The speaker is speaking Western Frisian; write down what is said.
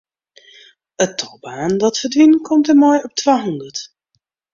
It tal banen dat ferdwynt komt dêrmei op twahûndert.